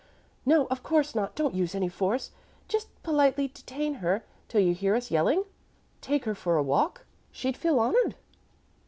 "No, of course not. Don't use any force. Just politely detain her till you hear us yelling take her for a walk. She'd feel honored."